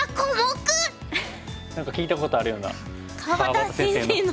何か聞いたことあるような川端先生の。